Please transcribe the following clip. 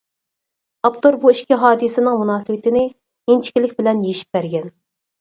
ئاپتور بۇ ئىككى ھادىسىنىڭ مۇناسىۋىتىنى ئىنچىكىلىك بىلەن يېشىپ بەرگەن.